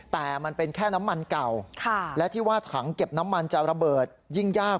แต่มันเป็นแค่น้ำมันเก่าและที่ว่าถังเก็บน้ำมันจะระเบิดยิ่งยาก